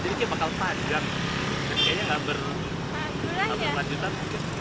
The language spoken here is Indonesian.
jadi dia bakal panjang dan kayaknya gak berlanjutan